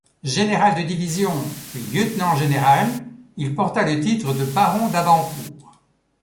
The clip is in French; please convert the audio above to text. Général de division, puis Lieutenant-général, il porta le titre de baron d'Abancourt.